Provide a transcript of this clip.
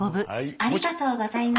「ありがとうございます」。